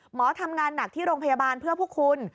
หมอทำงานหนักที่โรงพยาบาลเพื่อพวกคุณ